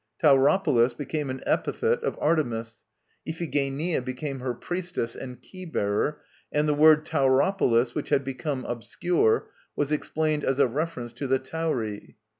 Tauropolis became an epithet of Artemis, Iphigenia became her priestess and 'Keybearer.' And the word 'Tauropolis,' which had become obscure, was explained as a reference to the Tauri.